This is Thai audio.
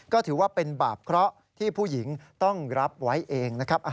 ก็ถือว่าเป็นบาปเคราะห์ที่ผู้หญิงต้องรับไว้เองนะครับ